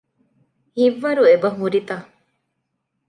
ހިތްވަރު އެބަހުރިތަ؟